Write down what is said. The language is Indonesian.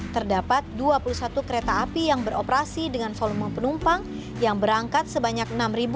terdapat dua puluh satu kereta api yang beroperasi dengan volume penumpang yang berangkat sebanyak enam lima ratus